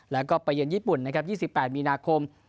แล้วก็ไปเยือนญี่ปุ่นนะครับ๒๘มีนาคม